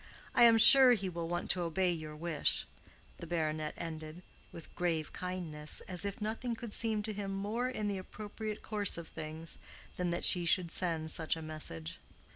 I am sure he will want to obey your wish," the baronet ended, with grave kindness, as if nothing could seem to him more in the appropriate course of things than that she should send such a message.